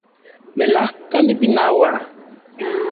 Melajka nipinaua